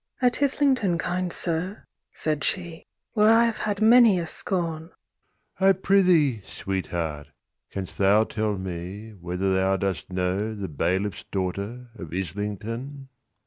'—'At Islington, kind sir,' said she,'Where I have had many a scorn.'—X'I prithee, sweetheart, canst thou tell meWhether thou dost knowThe bailiff's daughter of Islington?